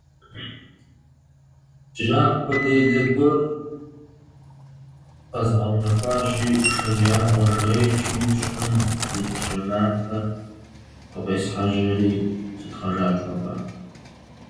Бжьахъуэ делэ гуэр къэзгъэунэхуащи, шэджагъуэ жей щищӀым зы бжьэ матэ къыфӀесхьэжьэри сытхъэжащ нобэ.